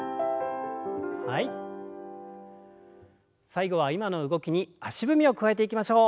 最後は今の動きに足踏みを加えていきましょう。